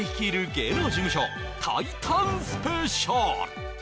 芸能事務所タイタンスペシャル！